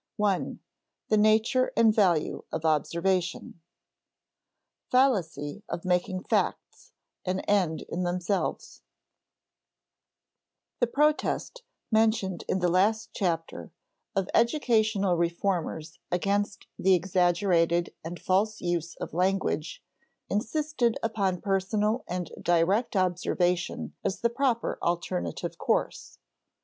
§ 1. The Nature and Value of Observation [Sidenote: Fallacy of making "facts" an end in themselves] The protest, mentioned in the last chapter, of educational reformers against the exaggerated and false use of language, insisted upon personal and direct observation as the proper alternative course.